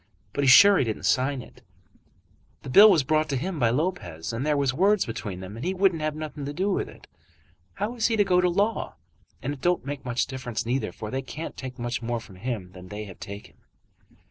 But he's sure he didn't sign it. The bill was brought to him by Lopez, and there was words between them, and he wouldn't have nothing to do with it. How is he to go to law? And it don't make much difference neither, for they can't take much more from him than they have taken."